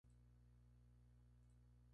La base se amplía y se profundiza.